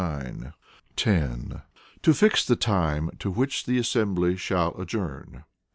] 10. To Fix the Time to which the Assembly shall Adjourn.